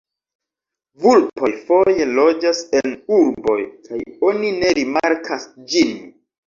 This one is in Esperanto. Vulpoj foje loĝas en urboj kaj oni ne rimarkas ĝin.